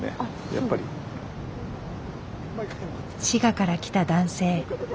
滋賀から来た男性。